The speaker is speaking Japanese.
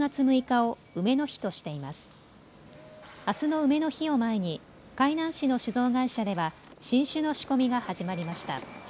あすの梅の日を前に海南市の酒造会社では新酒の仕込みが始まりました。